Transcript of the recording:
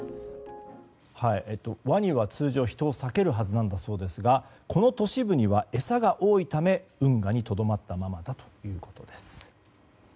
ワニは通常人を避けるはずなんだそうですがこの都市部には餌が多いため運河にとどまったままだということです。